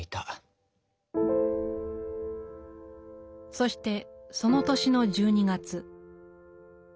そしてその年の１２月。